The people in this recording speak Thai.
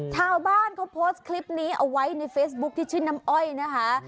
ชาวบ้านเขาโพสต์คลิปนี้เอาไว้ในเฟซบุ๊คที่ชื่อน้ำอ้อยนะคะ